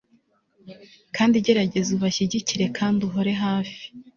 kandi gerageza ubashyigikire kandi uhore hafi